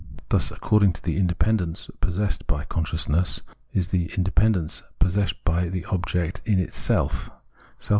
Thus, according to the independence possessed by consciousness, is the independence which its object in itself possesses.